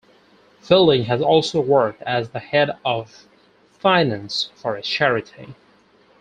Fielding has also worked as the head of finance for a charity.